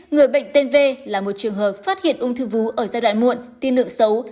người bệnh tên v là một trường hợp phát hiện ung thư vú ở giai đoạn muộn tiên lượng xấu